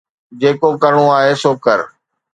جيڪو ڪرڻو آهي سو ڪر